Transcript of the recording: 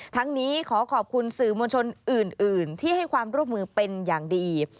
ทั้งนี้ขอขอบคุณสื่อมวลชนอื่นที่ให้ความร่วมมือเป็นอย่างดี